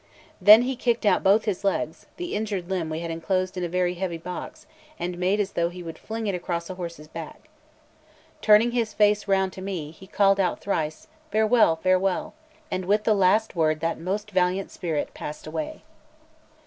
Then he kicked out both his legs the injured limb we had enclosed in a very heavy box and made as though he would fling it across a horse's back. Turning his face round to me, he called out thrice "Farewell, farewell!" and with the last word that most valiant spirit passed away.